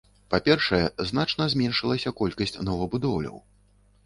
Па-першае, значна зменшылася колькасць новабудоўляў.